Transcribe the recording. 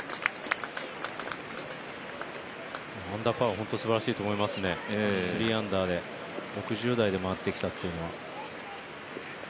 アンダーパーは本当にすばらしいと思います、３アンダーで６０台でまわってきたというのは。